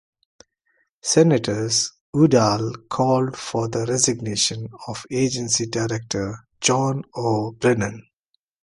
Senators, Udall called for the resignation of Agency Director John O. Brennan.